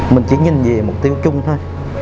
mình chỉ nhìn về mục tiêu chung thôi